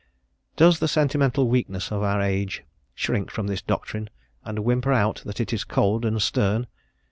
Does the sentimental weakness of our age shrink from this doctrine, and whimper out that it is cold and stern?